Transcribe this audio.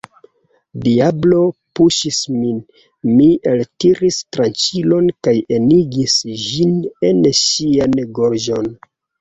Diablo puŝis min, mi eltiris tranĉilon kaj enigis ĝin en ŝian gorĝon.